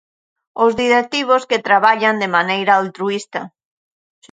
Os directivos que traballan de maneira altruísta.